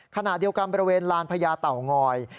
ขณะเดียวกันบริเวณลานพญาเต่างอย